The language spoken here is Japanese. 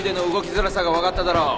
づらさが分かっただろう。